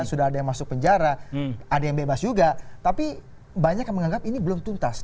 sudah ada yang masuk penjara ada yang bebas juga tapi banyak yang menganggap ini belum tuntas